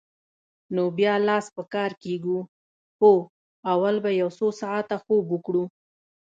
نو بیا لاس په کار کېږو؟ هو، اول به یو څو ساعته خوب وکړو.